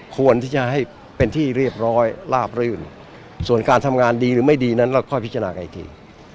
ควรที่จะให้เป็นที่เรียบร้อยลาบรื่นส่วนการทำงานดีหรือไม่ดีนั้นเราค่อยพิจารณากันอีกที